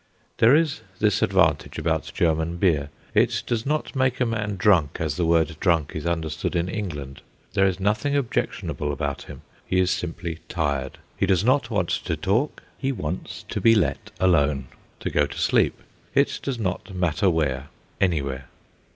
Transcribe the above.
There is this advantage about German beer: it does not make a man drunk as the word drunk is understood in England. There is nothing objectionable about him; he is simply tired. He does not want to talk; he wants to be let alone, to go to sleep; it does not matter where anywhere.